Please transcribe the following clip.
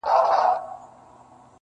• دا د کهف د اصحابو د سپي خپل دی,